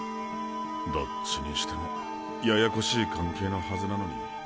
どっちにしてもややこしい関係のはずなのに。